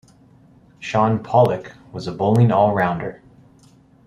Shaun Pollock was a bowling all-rounder.